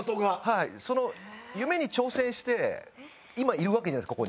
はいその夢に挑戦して今いるわけじゃないですか